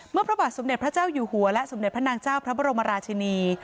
พระบาทสมเด็จพระเจ้าอยู่หัวและสมเด็จพระนางเจ้าพระบรมราชินี